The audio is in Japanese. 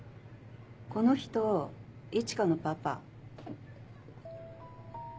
この人一花のパパ。